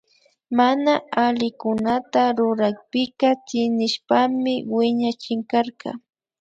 Mana allikunata rurakpika tsinishpami wiñachinkarka